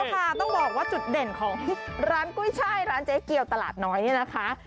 ค่ะต้องบอกว่าจุดเด่นของร้านกุ้ยช่ายร้านเจ๊เกียวตลาดน้อยเนี่ยนะคะ